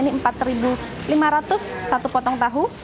ini empat lima ratus satu potong tahu